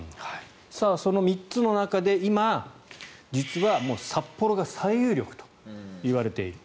その３つの中で今、実は札幌が最有力といわれている。